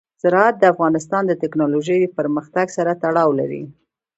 زراعت د افغانستان د تکنالوژۍ پرمختګ سره تړاو لري.